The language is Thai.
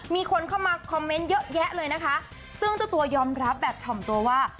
มีคนเข้ามาคอมเมนต์เยอะแยะเลยนะคะซึ่งเจ้าตัวยอมรับแบบถ่อมตัวว่า